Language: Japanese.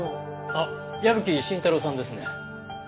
あっ矢吹伸太郎さんですね。